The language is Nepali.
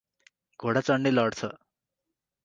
घोडा चड्ने लड्छ